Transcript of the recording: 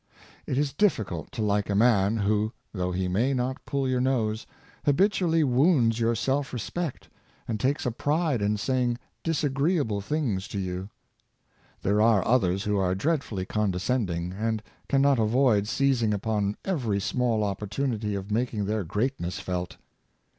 It is difficult to like a man who, though he may not pull your nose, habitually wounds your self respect,, and takes a pride in saying disagreeable things to you. There are others who are dreadfully condescending, and can not avoid seizing upon every small opportunity of making their greatness felt.